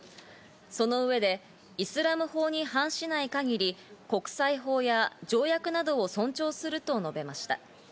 その上で、イスラム法に反しない限り、国際法や条約などを尊重すると述べました。